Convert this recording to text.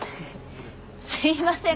すいません。